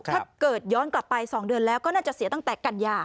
ถ้าเกิดย้อนกลับไป๒เดือนแล้วก็น่าจะเสียตั้งแต่กัญญา